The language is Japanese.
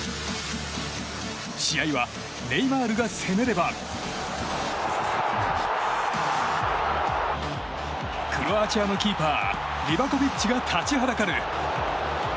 試合はネイマールが攻めればクロアチアのキーパーリバコビッチが立ちはだかる。